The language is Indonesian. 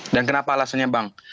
dan kenapa alasannya bang